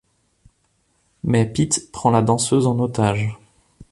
Mais Pete prend la danseuse en otage...